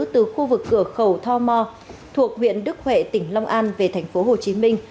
từ khu vực cửa khẩu tho mo thuộc huyện đức huệ tỉnh long an về thành phố hồ chí minh